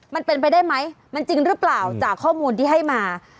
มันเป็นไปได้ไหมมันจริงหรือเปล่าจากข้อมูลที่ให้มา